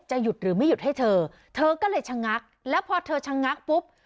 หยุดหรือไม่หยุดให้เธอเธอก็เลยชะงักแล้วพอเธอชะงักปุ๊บ